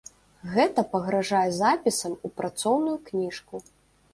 Гэта пагражае запісам ў працоўную кніжку.